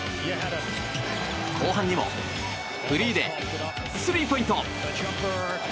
後半にもフリーでスリーポイント！